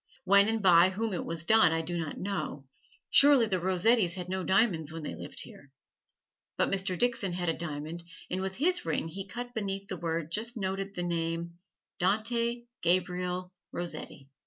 When and by whom it was done I do not know. Surely the Rossettis had no diamonds when they lived here. But Mr. Dixon had a diamond and with his ring he cut beneath the word just noted the name, "Dante Gabriel Rossetti."